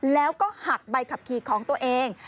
แล้วก็หักใบขับขี่ของตัวเอง